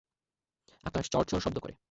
আকাশ চড় চড় শব্দ করে।